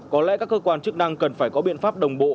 có lẽ các cơ quan chức năng cần phải có biện pháp đồng bộ